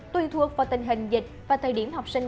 tùy thuộc vào tình hình dịch và thời điểm học sinh